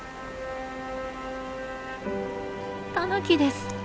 タヌキです。